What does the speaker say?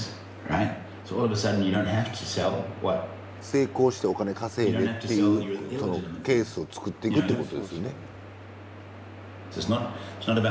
成功してお金稼いでっていうケースを作っていくってことですよね。